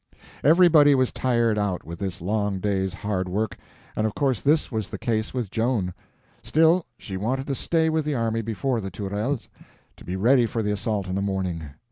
Everybody was tired out with this long day's hard work, and of course this was the case with Joan; still, she wanted to stay with the army before the Tourelles, to be ready for the assault in the morning.